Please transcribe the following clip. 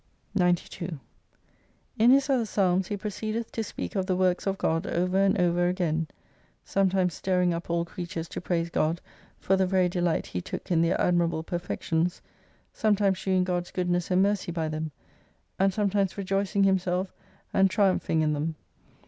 230 In his other psalms he proceedeth to speak of the works of God over and over again : sometimes stirring up all creatures to praise God for the very delight he took in their admirable perfections, sometimes shewing God's goodness and mercy by them, and sometimes rejoicing himself and triumphing in them.